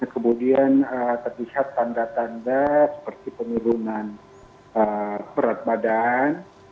kemudian terlihat tanda tanda seperti penurunan berat badan